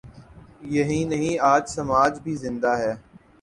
یہی نہیں، آج سماج بھی زندہ ہے۔